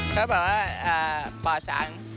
ถ้าบอกว่าป่าสัง